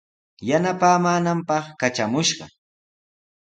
Churintami yanapaamaananpaq katramushqa.